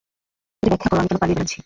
এটা ব্যাখ্যা কর আমি কেন পালিয়ে বেড়াচ্ছি।